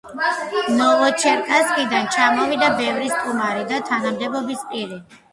ნოვოჩერკასკიდან ჩამოვიდა ბევრი სტუმარი და თანამდებობის პირი.